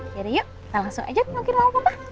yaudah yuk kita langsung aja ke nongkrong papa